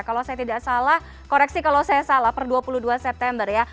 kalau saya tidak salah koreksi kalau saya salah per dua puluh dua september ya